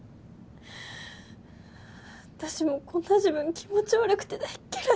私もこんな自分気持ち悪くて大嫌い！